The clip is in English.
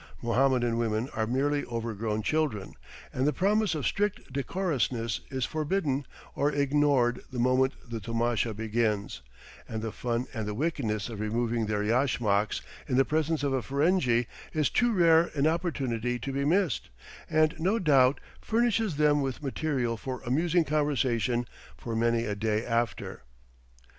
Mohammedan women are merely overgrown children, and the promise of strict decorousness is forgotten or ignored the moment the tomasha begins; and the fun and the wickedness of removing their yashmaks in the presence of a Ferenghi is too rare an opportunity to be missed, and, no doubt, furnishes them with material for amusing conversation for many a day after.